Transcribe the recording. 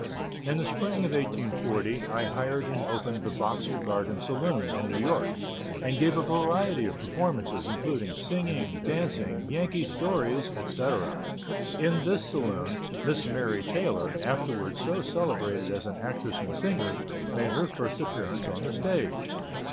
In the spring of 1840, I hired and opened the Vauxhall Garden saloon, in New York, and gave a variety of performances, including singing, dancing, Yankee stories, etc. In this saloon Miss Mary Taylor, afterwards so celebrated as an actress and singer, made her first appearance on the stage.